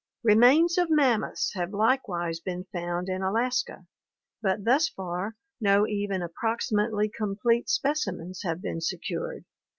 Remains of mammoths have likewise been found in Alaska, but thus far no even approximately complete specimens have been se cured.